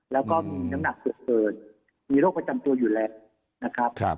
แล้วก็มีน้ำหนักเกิดมีโรคประจำตัวอยู่แล้วนะครับ